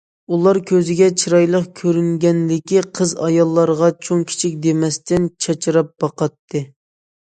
ئۇلار كۆزىگە چىرايلىق كۆرۈنگەنلىكى قىز- ئاياللارغا چوڭ- كىچىك دېمەستىن« چاچراپ» باقاتتى.